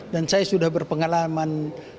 dan saya sudah berpengalaman